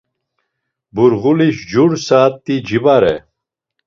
Burğuli jur saat̆i cibare.